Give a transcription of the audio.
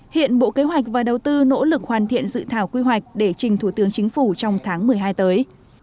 hiện bộ kế hoạch và đầu tư nỗ lực hoàn thiện dự thảo quy hoạch để trình thủ tướng chính phủ trong tháng một mươi hai tới